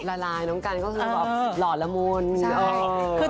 ใช่